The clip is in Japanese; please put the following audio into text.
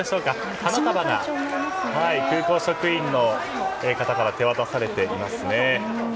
花束が空港職員の方から手渡されていますね。